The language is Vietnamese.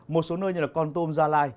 một số nơi như là con tôm gia lai